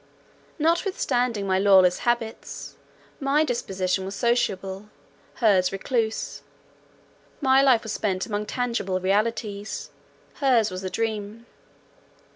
Notwithstanding my lawless habits, my disposition was sociable, hers recluse. My life was spent among tangible realities, hers was a dream.